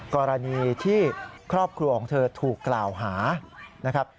กรณีที่ครอบครัวของเธอถูกกล่าวหานะครับ